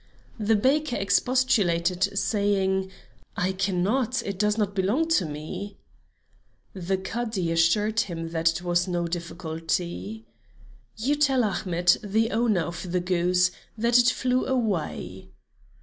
The baker expostulated, saying: "I cannot; it does not belong to me." The Cadi assured him that was no difficulty. "You tell Ahmet, the owner of the goose, that it flew away."